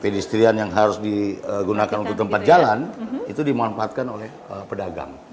pedestrian yang harus digunakan untuk tempat jalan itu dimanfaatkan oleh pedagang